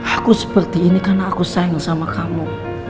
aku seperti ini karena aku sayang sama kamu